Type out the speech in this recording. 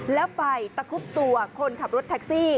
แล้วไปตะคุบตัวคนขับรถแท็กซี่